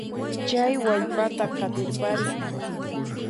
Chay wallpata qatirpariy.